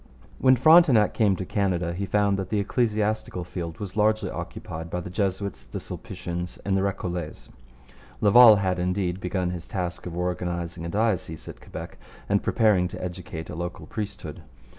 When Frontenac came to Canada he found that the ecclesiastical field was largely occupied by the Jesuits, the Sulpicians, and the Recollets. Laval had, indeed, begun his task of organizing a diocese at Quebec and preparing to educate a local priesthood.